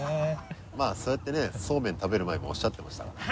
そうやってねそうめん食べる前もおっしゃってましたから。